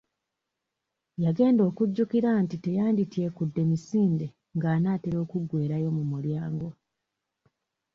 Yagenda okujjukira nti teyandityekudde misinde nga anaatera kuggwerayo mu mulyango.